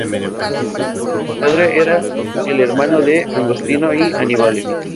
Su padre era el hermano de Agostino y Annibale.